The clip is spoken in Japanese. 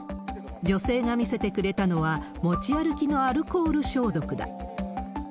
女性が見せてくれたのは、持ち歩きのアルコール消毒だ。